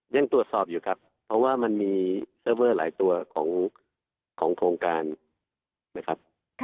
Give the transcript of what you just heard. ยังตรวจสอบอยู่ครับเพราะว่ามันมีเซอร์เวอร์หลายตัวของโครงการนะครับ